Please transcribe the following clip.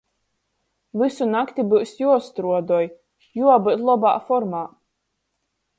Vysu nakti byus juostruodoj, juobyut lobā formā.